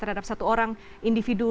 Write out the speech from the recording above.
terhadap satu orang individu